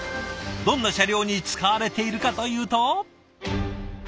どんな車両に使われているかというと。